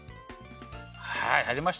はいりました。